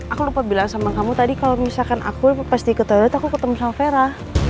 aku lupa bilang sama kamu tadi kalau misalkan aku pas diketahui aku ketemu sama vera